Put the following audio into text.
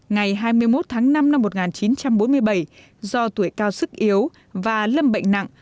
ngày hai mươi một tháng năm năm một nghìn chín trăm bốn mươi bảy do tuổi cao sức yếu và lâm bệnh nặng